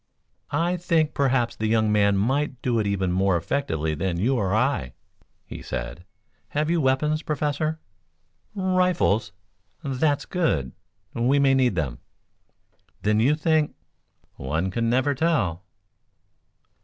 "I think, perhaps, the young man might do it even more effectively than you or I," he said. "Have you weapons, Professor?" "Rifles." "That's good. We may need them." "Then you think?" "One can never tell."